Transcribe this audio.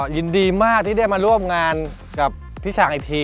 ยินดีมากที่ได้มาร่วมงานกับพี่ฉากอีกที